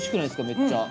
めっちゃ。